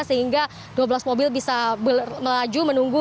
sehingga dua belas mobil bisa melaju menunggu